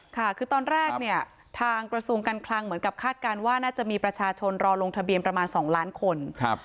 ค่ะคือตอนแรกเนี่ยทางกระทรวงการคลังเหมือนกับคาดการณ์ว่าน่าจะมีประชาชนรอลงทะเบียนประมาณ๒ล้านคน